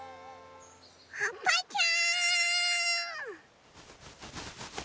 はっぱちゃん！